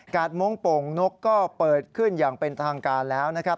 มงค์โป่งนกก็เปิดขึ้นอย่างเป็นทางการแล้วนะครับ